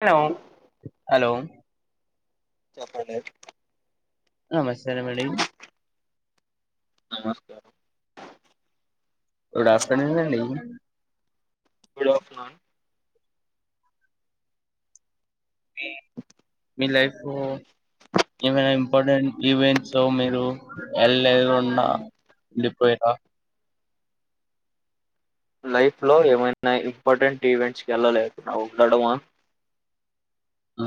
Hello hello చెప్పండి నమస్కారం అండి నమస్కారం గుడ్ ఆఫ్టర్‌నూన్ అండి గుడ్ ఆఫ్టర్‌నూన్ మీ మీలైఫ్ ఏమైనా ఇంపార్టెంట్ ఈవెంట్స్ మీరు వెల్ళన్న వెళ్లిపోయారా లైఫ్ లో ఏమైనా ఇంపార్టెంట్ ఈవెంట్స్ కి వెళ్లలేకుండా ఉండడమా ఆ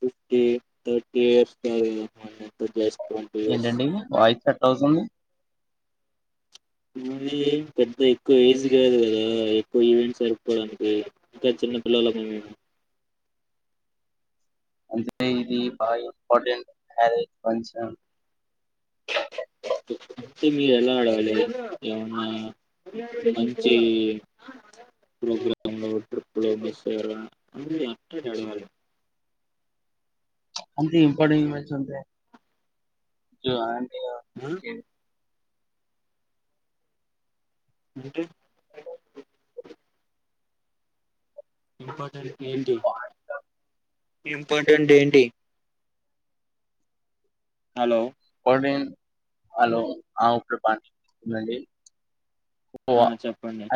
fifty thirty years just twenty years ఏంటండి వాయిస్ కట్ అవుతుంది మీది పెద్ద ఎక్కువ ఏజ్ కాదు కదా ఎక్కువ ఈవెంట్ సరుపుకోవడానికి ఇంకా చిన్న పిల్లలమా మేము అంటే ఇది బా ఇంపార్టెంట్ హా ఫంక్షన్ మీరు ఎలా అడగాలి ఏమన్నా మంచి ప్రోగ్రామ్‌లో ట్రిప్‌లు మిస్ అయ్యారా అని అట్ట అడగాలి అంత ఇంపార్టెంట్ బట్టి ఉంటాయి ఉంత ఆ అంటే ఇంపార్టంట్ ఏంటి ఇంపార్టంట్ ఏంటి హలో హలో హా ఒకే బాగా వినిపిస్తుందా అండి ఆ చెప్పండి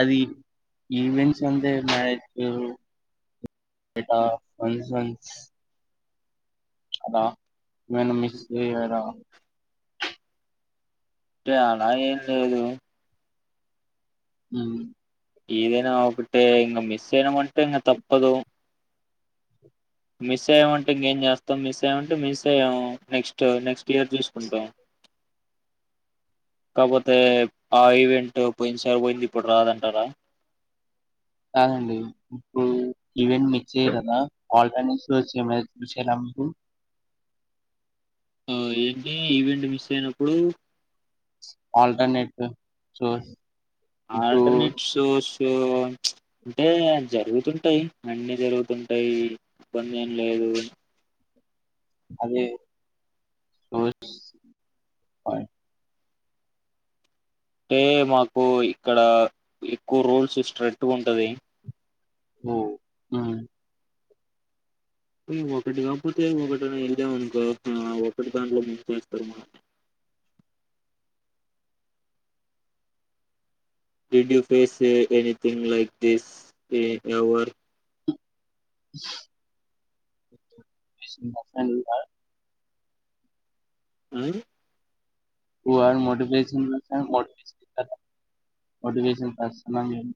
ఈవెంట్స్ వంద మ్యారేజ్ కు ఓఇర్రు ఆ వన్స్ వన్స్ అద నన్ను మిస్ అయ్యారా అంటే అలా ఏం లేదు హు ఏదేనా ఒకటే ఇంకా మిస్ అయనమంటే ఇంకా తప్పదు మిస్ అయమంటే ఇంకేం చేస్తాం మిస్ అయ్యమంటే మిస్ అయ్యాము నెక్స్ట్ నెక్స్ట్ ఇయర్ చూసుకుంటాం కాపోతే ఆ ఈవెంట్ పోయిన సరిపోయింది ఇప్పుడు రాదంటారా కాదండి ఇప్పుడు ఈవెంట్ మిస్ అయ్యి కదా ఆల్టర్ట్ వచ్చ చూ ఉ ఏంటి ఈవెంట్ మిస్ అయినప్పుడు ఆల్టర్నేట్ సోర్స్ ఇప్పుడు ఆల్టర్నేట్ సోర్స్ అంటే జరుగుతుంటాయి అన్నీ జరుగుతుంటాయి ఇబ్బంది ఏం లేదు అదే సోర్స్ అంటే మాకు ఇక్కడ ఎక్కువ రూల్స్ స్ట్రిక్ట్‌గా ఉంటది ఓ హుం ఒకటి కాకపోతే ఒకటిని వెళ్ళాం అనుకో ఒకటె దాంట్లో ముంచేస్తారు మనల్నే did you face anything like this a lover [unintelligible] ఆ నువ్వు వానికి మోటివేషన్ [unintelligible] మోటివేషన్ ఇస్తాడా మోటివేషన్ [unintelligible]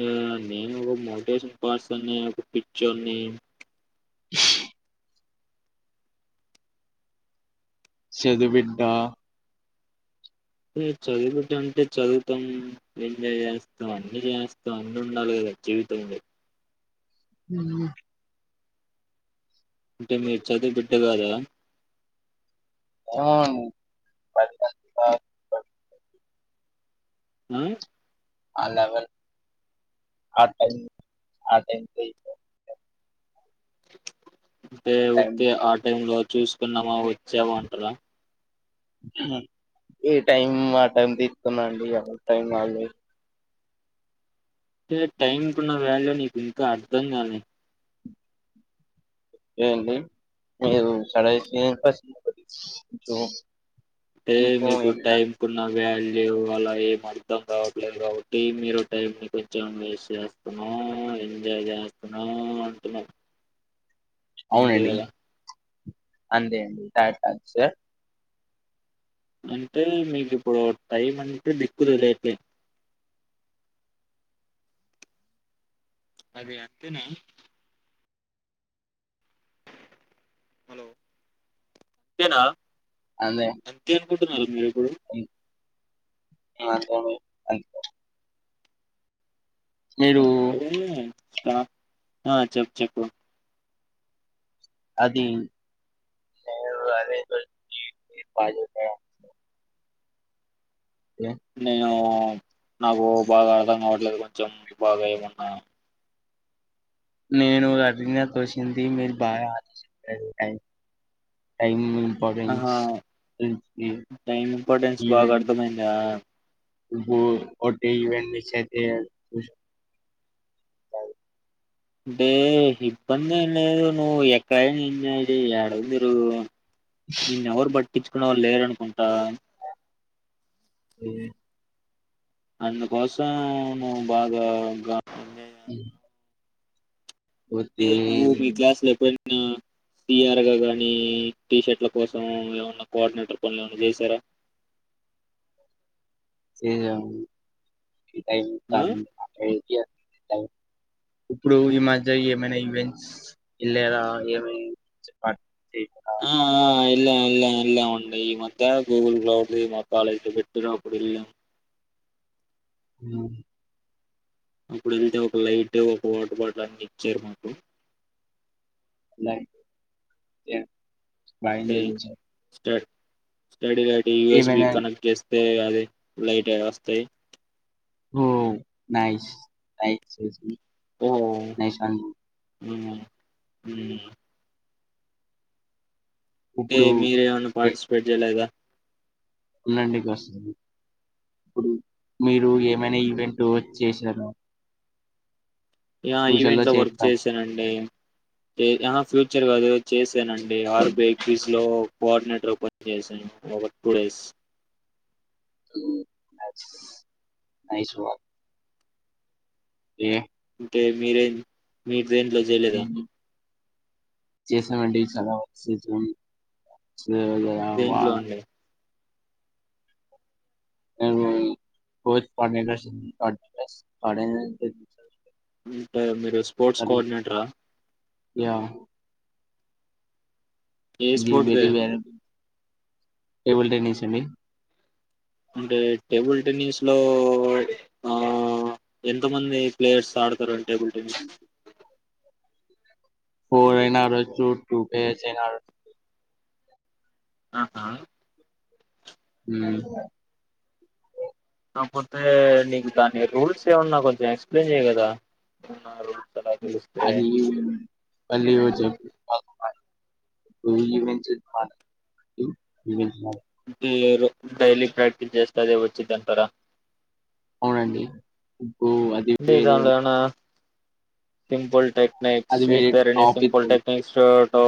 ఆ నేను ఒక మోటివేషన్ క్లాసెస్ అని ఒక పిక్చర్ని చదువు బిడ్డ చదువు బిడ్డ అంటే చదువుతాం ఎంజాయ్ చేస్తాం అన్ని చేస్తాం అన్ని ఉండాలి కదా జీవితంలో హ అంటే మీరు చదువు బిడ్డ కాదా అవును ఆ ఆ లెవెల్ ఆ టైమ్ ఆ టై అంటే వచ్చే ఆ టైమ్ లో చూసుకున్నామా వచ్చామా అంటరా ఏ టైం ఆ టైం తీస్తున్నాండి ఎవరి టైం వాళ్ళే అంటే టైంకున్న వాల్యూ నీకు ఇంకా అర్ధం కాలే ఓకే అండి మీరు [unintelligible] అంటే మీకు టైంకున్న వాల్యూ లేవు అలా ఏం అర్ధం కావట్లేదు కాబట్టి మీరు టైం ని కొంచెం వేస్ట్ చేస్తున్నావ్ ఎంజాయ్ చేస్తున్నావ్ అంటున్నావ్ అంతే అవునండి కదా అంతే అండి [unintelligible] అంటే మీకు ఇప్పుడు టైం అంటే దిక్కు తెలీట్లేదు అది అంతేనా హలో అంతేనా అంతే అనుకుంటున్నారా మీరిప్పుడు మాక్సిమం అయితే అంతే మీరు అంటే నాకు ఆ చెప్పు చెప్పు అదీ నేను [unintelligible] బాగా చెప్పారు. నేను నాకు బాగా అర్థం కావట్లేదు కొంచెం బాగా ఏమన్నా నేను అడిగిన క్వస్షన్ కి మీరు బాగా ఆన్సర్ చెప్పారు థ్యాంక్యూ టైమ్ ఆహా ఇంపర్టెన్స్ ఏంటిది టైం ఇంపార్టెన్స్ బాగా ఈవెన్ అర్థమైందా ఒకటి ఈవెంట్ మిస్ అయితే [unintelligible] అంటే ఇబ్బంది ఏం లేదు నువ్వు ఎక్కడైన ఎంజాయ్ చేయి యాడైన తిరుగు నిన్ను ఎవరు బట్టిచ్చుకునేవారు లేరనుకుంటా అ అందుకోసం నువ్వు బాగా అ రేపు మీ క్లాసులు [unintelligible] సిఆర్ గా కాని టీషర్ట్ల కోసం ఏమన్న కోఆర్డినేటర్ పనులు ఏమన్న చేశారా [unintelligible] టైమ్ ఆ [unintelligible] ఇప్పుడు ఈ మధ్య ఏమైనా ఈవెంట్స్ వెళ్ళరా ఏమైనా ఇలా ఇలా ఇలా ఉండయి ఈ మధ్య గూగుల్ క్లౌడ్ మా కాలేజ్ పెట్టిన అప్పుడు ఇల్లా ఆ అప్పుడు వెళ్తే ఒక లైట్ ఒక వాటర్ బాటిల్ అన్ని ఇచ్చారు మాకు అంటే [inaudible] స్ట స్టడీ లైట్ యూఎస్బి ఏమైనా కనెక్ట్ చేస్తే అది లైట్ వస్తాయి ఓ నైస్ ఓ నైస్ అని అ ఇప్పుడు మీరేమన్నా పార్టిసిపేట్ చేయలా ఇదా ఉండండి కాసార్ ఇప్పుడు మీరు ఏమైనా ఈవెంట్ చేశార యా ఈవెంట్ లో వర్క్ చేస్తాను చేసానండి ఫ్యూచర్గాదో చేశానడి ఆర్బకీస్ లో కోఆర్డినేటర్ ఓపెన్ గా చేశాను ఒక టూ డేస్ స్ నైస్ ఏ అంటే మీరేం మీరూ దేంట్లో చేయలేదా చేసమండి దేంట్లో అండి [unintelligible] అంటే మీరు స్పోర్ట్స్ కోఆర్డినేట రా యా ఏ స్పోర్ట్ ది టేబల్ టెనిస్ అండి అంటే టేబుల్ టెన్నిస్ లో ఆ ఎంత మంది ప్లేయర్స్ ఆడతారండి టేబుల్ టెన్నిస్ ఫోర్ ప్లేయర్స్ అయినా ఆడొచ్చు టూ ప్లేయర్స్ అయినా ఆహా హ్మ్మ్ కాకపోతే నీకు దాని రూల్స్ ఏమన్నా కొంచెం ఎక్స్ప్లెయిన్ చెయ కదా ఏమన్నా రూల్స్ అలా తెలిస్తే అది పల్లివాజూ అగు ఈవెంట్స్ డైలీ ప్రాక్టీస్ చేస్తే అదే వచ్చిద్దంటారా అవునండి అది ఇంట వేరే ఇ లేనా సింపుల్ టైప్ అది నెక్స్ట్ ఇస్ వేరే దర్ ఎని టాపిక్ సింపుల్ ఉంటే టెక్నిక్స్ల్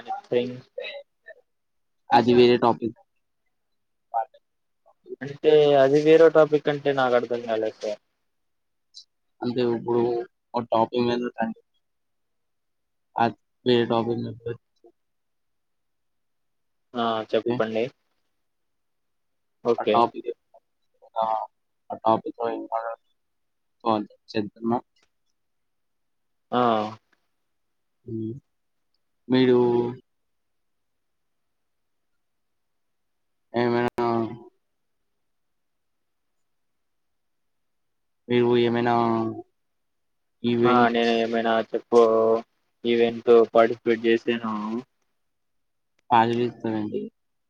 ఎనిథింగ్ అది వేరే టాపిక్ అంటే అది వేరే టాపిక్ అంటే నాకు అర్థం కాలే సార్ అంటే ఇప్పుడు ఒక టాపింగ్ మీద ఉండి అదే టాపిక్ కం ఆ వస్తే చెప్పండి ఓకే అకాపి ఏమి చేస్తున్నావు ఆ మీరు ఏమి మీరు ఏమైనా ఆ ఈవెంట్స్ నేను ఏమైనా చెప్పు ఈవెంట్ పార్టిసిపేట్ చేసాను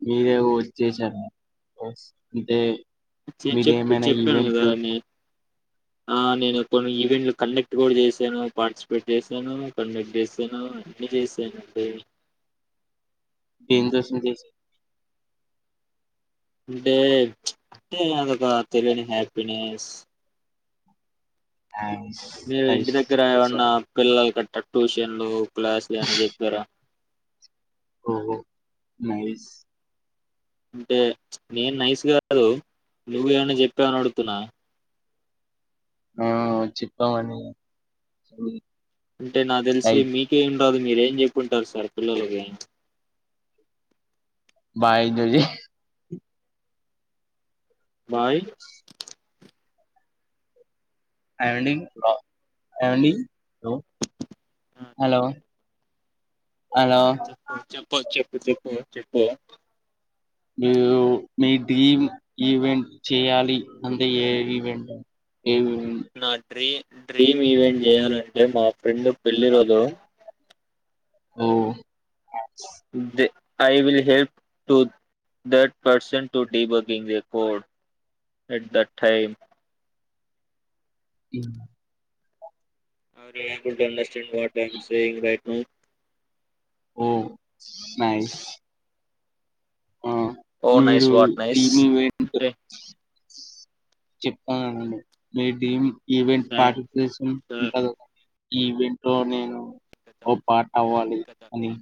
మీరేం వర్క్ చేసారు అంటే చె చెప్ప మీరేమైనా చెప్పాను ఈవెంట్ కదా నే ఆ నేను కొన్ని ఈవెంట్లు కండక్ట్ కూడా చేసాను పార్టిసిపేట్ చేశాను కండక్ట్ చేసాను అన్ని చేసానండి డేంజర్స్ ను దీస్ అంటే అంటే అదొక తెలియని హ్యాపీనెస్ నైస్ మీరు ఇంటి నైస్ దగ్గర ఏమన్న సార్ పిల్లల గట్ట్రా ట్యూషన్లు క్లాసులు అని చెప్పారా ఓ నైస్ అంటే నేను నైస్ కాదు నువ్ ఏమన్నా చెప్పావని అడుగుతున్నా ఆ చప్పామండీ [unintelligible] అంటే నాకు తెలిసి మీకేం రాదు మీరేం చెప్పుంటారు సార్ పిల్లలకి బాయ్ జూలీ బాయ్ ఐవడింగ్ రా ఐవడింగ్ బ్రో హలో హలో ఆ చెప్పు చెప్పు చెప్పు చెప్పు చెప్పు మీరు మీ డ్రీమ్ ఈవెంట్ చేయాలి అంత ఏ ఈవెంట్ ఏ ఈవెంట్ నా డ్రీమ్ డ్రీమ్ ఈవెంట్ చేయాలంటే మా ఫ్రెండ్ పెళ్ళి రోజు ఓ Tuesday I will help to that person to D bucking they code at that time ఊ are you a good [unintelligible] timing saying right now oh nice ఆ oh nice మీరు what nice team ఉంటే చెప్తాలండి మీ dream event participation ఉంటంది event లో నేను ఓ పార్ట్ అవ్వాలి అని